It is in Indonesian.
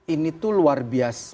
ini tuh luar biasa